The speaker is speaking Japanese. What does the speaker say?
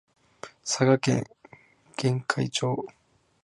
佐賀県玄海町